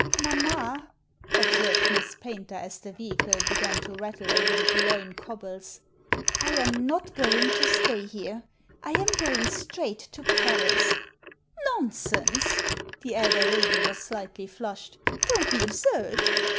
" Mamma," observed Miss Paynter, as the vehicle began to rattle over the Boulogne cobbles, " I am not going to stay here. I am going straight to Paris." Nonsense !" The elder lady was slightly flushed. "Don't be absurd!"